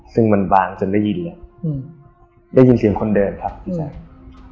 ซึ่งมันบางจนได้ยินเลยได้ยินเสียงคนเดินครับพี่แจ๊ค